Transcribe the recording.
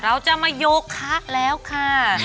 เราจะมาโยคะแล้วค่ะ